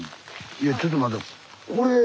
いやちょっと待って。